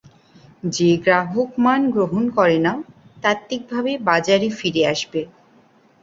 যে গ্রাহক মান গ্রহণ করে না, তাত্ত্বিকভাবে, বাজারে ফিরে আসবে।